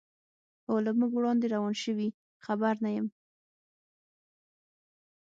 هو، له موږ وړاندې روان شوي، خبر نه یم.